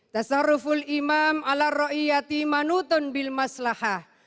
tasarruful imam ala ro'iyati manutun bil maslahah